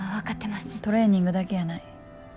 トレーニングだけやない。